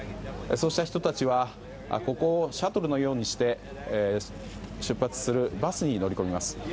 そうした人たちはここをシャトルのようにして出発するバスに乗り込みます。